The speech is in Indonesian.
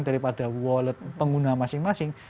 daripada wallet pengguna masing masing